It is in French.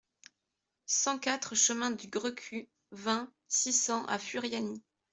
cent quatre chemin du Grecu, vingt, six cents à Furiani